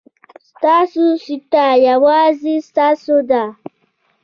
ستاسو سېټ یوازې ستاسو دی.